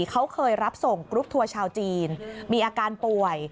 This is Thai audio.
เขาเคยรับส่งกรุ๊ปทัวร์ชาวจีนมีอาการป่วย